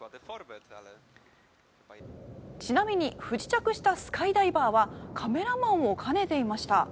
ちなみに不時着したスカイダイバーはカメラマンを兼ねていました。